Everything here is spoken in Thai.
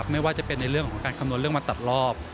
ไม่ว่าจะเป็นในเรื่องของการคำนวณเรื่องมาตัดรอบ